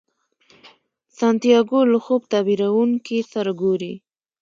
سانتیاګو له خوب تعبیرونکي سره ګوري.